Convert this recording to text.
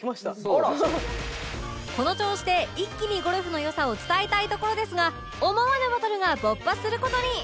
この調子で一気にゴルフの良さを伝えたいところですが思わぬバトルが勃発する事に！